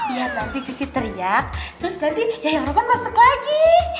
lihat nanti sisi teriak terus nanti yayang roman masuk lagi